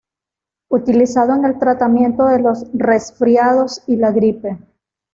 Utilizado en el tratamiento de los resfriados y la gripe.